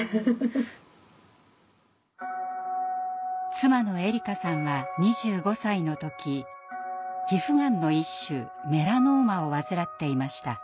妻のえりかさんは２５歳の時皮膚がんの一種メラノーマを患っていました。